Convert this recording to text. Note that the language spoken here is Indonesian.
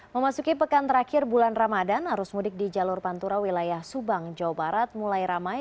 memasuki pekan terakhir bulan ramadan arus mudik di jalur pantura wilayah subang jawa barat mulai ramai